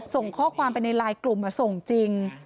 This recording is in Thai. ส่งข้อความไปในไลน์กลุ่มส่งจริง